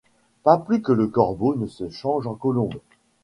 Pas plus qùe le corbeau ne se change en colombe